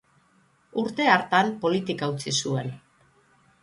Urte hartan politika utzi zuen.